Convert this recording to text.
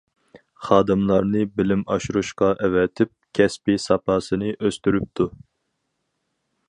خادىملارنى بىلىم ئاشۇرۇشقا ئەۋەتىپ، كەسپىي ساپاسىنى ئۆستۈرۈپتۇ.